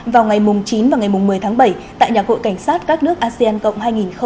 vào ngày chín và ngày một mươi tháng bảy tại nhà hội cảnh sát các nước asean cộng hai nghìn hai mươi